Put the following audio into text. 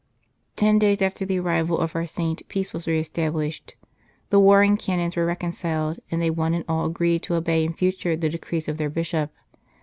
Ten days after the arrival of our saint peace was re established, the warring Canons were reconciled, and they one and all agreed to obey in future the decrees of their Bishop.